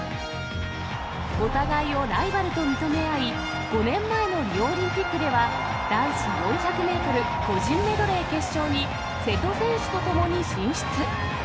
お互いをライバルと認め合い、５年前のリオオリンピックでは、男子４００メートル個人メドレー決勝に、瀬戸選手とともに進出。